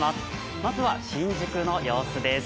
まずは新宿の様子です。